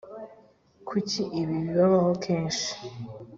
kuki ibi bibaho kenshi?